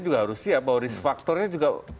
juga harus siap bahwa risk factornya juga